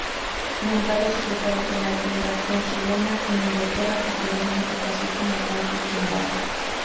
Nombrado secretario de la legación chilena en Inglaterra, posteriormente pasó como Cónsul General.